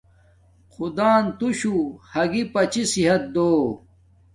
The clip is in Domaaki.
خدان توشو ھاگی پاچی صحت دو